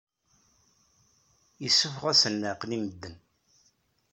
Yessuffeɣ-asen leɛqel i medden.